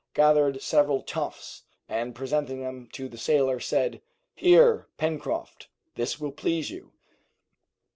gathered several tufts, and, presenting them to the sailor, said, "Here, Pencroft, this will please you."